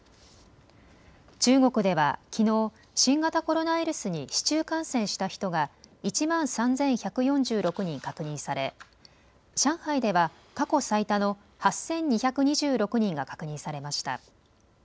中国ではきのう新型コロナウイルスに市中感染した人が１万３１４６人確認され上海では過去最多の８２２６人が確認されました。